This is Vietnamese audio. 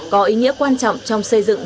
có ý nghĩa quan trọng trong xây dựng